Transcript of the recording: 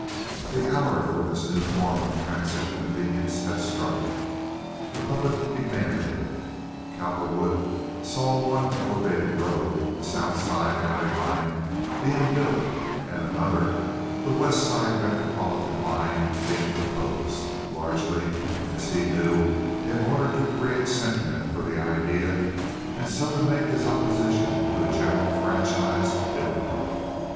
The hour for this new form of transit convenience had struck. The public demanded it. Cowperwood saw one elevated road, the South Side Alley Line, being built, and another, the West Side Metropolitan Line, being proposed, largely, as he knew, in order to create sentiment for the idea, and so to make his opposition to a general franchise difficult.